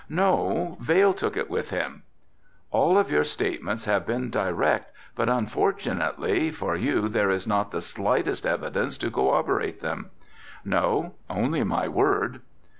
"No, Vail took it with him." "All of your statements have been direct but unfortunately, for you there is not the slightest evidence to corroborate them." "No, only my word."